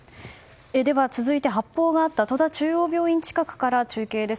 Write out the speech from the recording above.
では続いて、発砲があった戸田中央病院近くから中継です。